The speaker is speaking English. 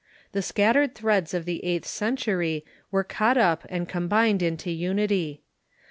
The scattered threads of the eighth century were caught up and combined into uni ty.